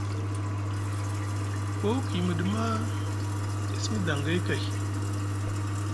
Koo ku yimiɗi maa, e simi daŋgay kay,